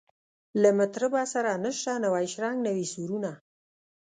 له مطربه سره نسته نوی شرنګ نوي سورونه